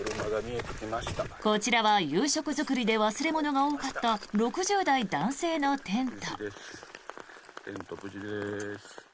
こちらは夕食作りで忘れ物が多かった６０代男性のテント。